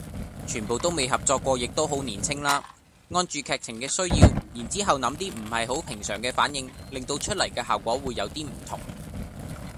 全部都未合作過亦都好年青啦，按住劇情嘅需求然之後諗啲唔係好平常嘅反應令到出嚟嘅效果會有啲唔同